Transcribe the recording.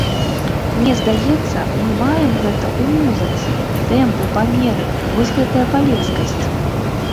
Мне здаецца, мы маем гэта ў музыцы, тэмпы, памеры, вось гэтая палескасць.